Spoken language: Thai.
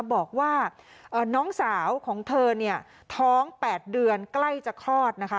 บอกว่าน้องสาวของเธอเนี่ยท้อง๘เดือนใกล้จะคลอดนะคะ